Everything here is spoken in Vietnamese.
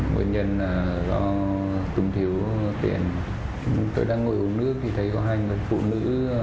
nguyễn nhân do tùm thiếu tiền tôi đang ngồi uống nước thì thấy có hai người phụ nữ